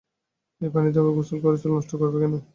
এই পানিতে গোসল করে চুল নষ্ট করবে কেন?